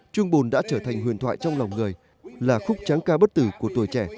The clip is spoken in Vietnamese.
trung bồn đã trở thành huyền thoại trong lòng người là khúc tráng ca bất tử của tuổi trẻ